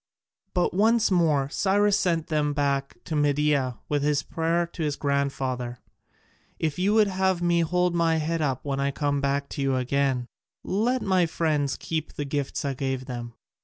But once more Cyrus sent them back to Media with this prayer to his grandfather: "If you would have me hold my head up when I come back to you again, let my friends keep the gifts I gave them."